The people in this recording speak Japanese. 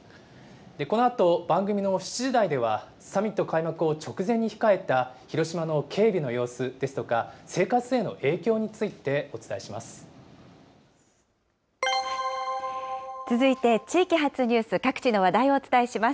このあと、番組の７時台ではサミット開幕を直前に控えた広島の警備の様子ですとか、生活への影響続いて地域発ニュース、各地の話題をお伝えします。